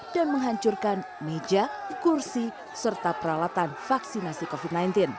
dan menghancurkan meja kursi serta peralatan vaksinasi covid sembilan belas